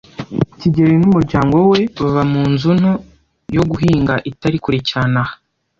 kigeli n'umuryango we baba mu nzu nto yo guhinga itari kure cyane aha.